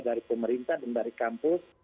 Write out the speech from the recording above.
dari pemerintah dan dari kampus